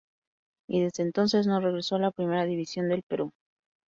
Y desde entonces no regresó a la Primera División del Perú.